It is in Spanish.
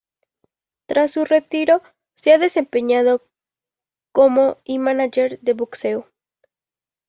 Tras su retiro se ha desempeñado como y mánager de boxeo.